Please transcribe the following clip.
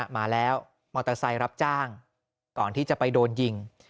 มาแล้วมอเตอร์ไซค์รับจ้างก่อนที่จะไปโดนยิง